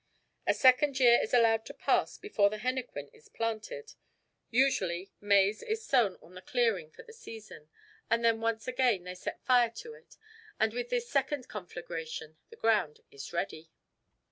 A second year is allowed to pass before the henequen is planted. Usually maize is sown on the clearing for the season, and then once again they set fire to it all and with this second conflagration the ground is ready.